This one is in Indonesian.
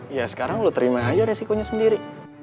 ya sekarang lu terima aja resikonya sendiri